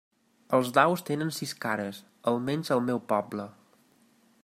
Els daus tenen sis cares, almenys al meu poble.